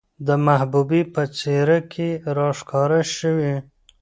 د محبوبې په څېره کې راښکاره شوې،